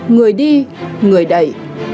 người đi người đẩy